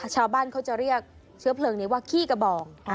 ชาวบ้านเขาจะเรียกเชื้อเพลิงนี้ว่าขี้กระบอง